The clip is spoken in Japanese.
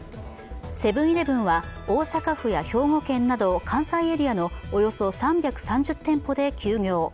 セブン−イレブンは大阪府や兵庫県など関西エリアのおよそ３３０店舗で休業。